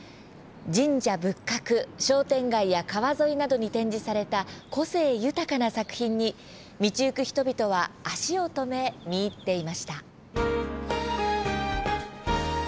神社仏閣、商店街や川沿いなどに展示された個性豊かな作品に道行く人々は足を止め、見入っていました。